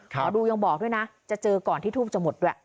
หมอดูยังบอกด้วยนะจะเจอก่อนที่ทูบจะหมดด้วย